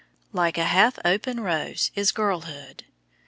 Like a half open rose is girlhood.